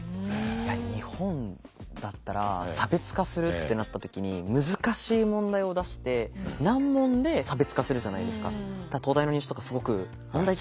いや日本だったら差別化するってなった時に難しい問題を出して難問で差別化するじゃないですか。